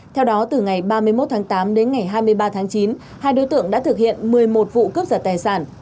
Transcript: theo đó từ ngày ba mươi một tháng tám đến ngày hai mươi ba tháng chín hai đối tượng đã thực hiện một mươi một vụ cướp giật tài sản